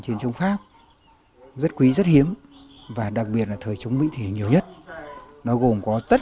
chiến chống pháp rất quý rất hiếm và đặc biệt là thời chống mỹ thể nhiều nhất nó gồm có tất